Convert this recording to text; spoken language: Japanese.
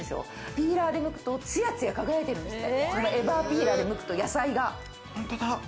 ピーラーでむくと、ツヤツヤ輝いてるんですって。